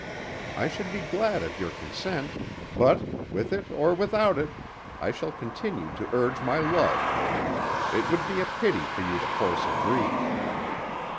I should be glad of your consent, but with it or without it I shall continue to urge my love. It would be a pity for you to force a breach."